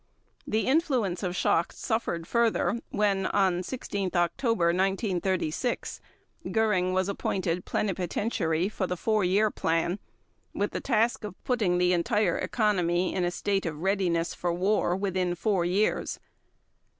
The influence of Schacht suffered further when, on 16 October 1936, Göring was appointed Plenipotentiary for the Four Year Plan with the task of putting "the entire economy in a state of readiness for war" within four years.